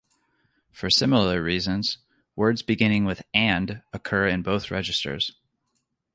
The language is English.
For similar reasons, words beginning with and occur in both registers.